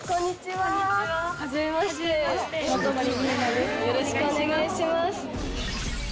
よろしくお願いします。